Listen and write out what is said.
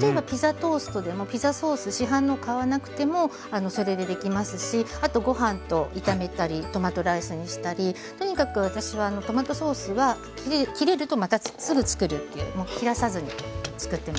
例えばピザトーストでもピザソース市販の買わなくてもそれでできますしあとご飯と炒めたりトマトライスにしたりとにかく私はトマトソースは切れるとまたすぐつくるっていうもう切らさずにつくってます。